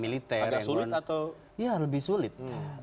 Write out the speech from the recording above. militer itu gimana agak sulit atau